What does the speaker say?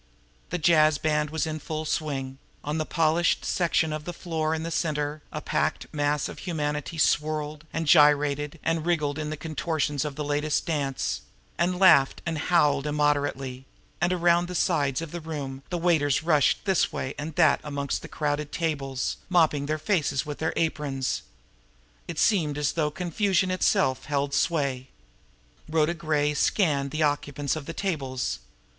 A jazz band was in full swing; on the polished section of the floor in the center, a packed mass of humanity swirled and gyrated and wriggled in the contortions of the "latest" dance, and laughed and howled immoderately; and around the sides of the room, the waiters rushed this way and that amongst the crowded tables, mopping at their faces with their aprons. It seemed as though confusion itself held sway! Rhoda Gray scanned the occupants of the tables.